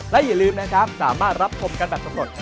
และอย่าลืมนะครับสามารถรับชมกันแบบสำรวจ